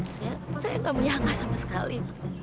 saya saya gak menyangka sama sekali